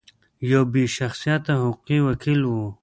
یو بې شخصیته حقوقي وکیل و.